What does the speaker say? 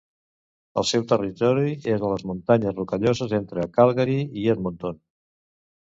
El seu territori és a les Muntanyes Rocalloses, entre Calgary i Edmonton.